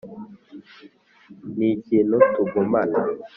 ni ikintu tugumana